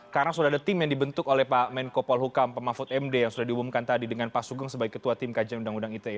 karena sudah ada tim yang dibentuk oleh pak menko polhukam pemafut md yang sudah dihubungkan tadi dengan pak sugeng sebagai ketua tim kajian undang undang ite